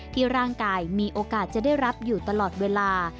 ร่างกายมีโอกาสจะได้รับอยู่ตลอดเวลา